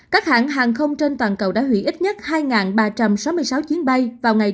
các hãng hàng không trên toàn cầu đã hủy ít nhất hai ba trăm sáu mươi sáu chuyến bay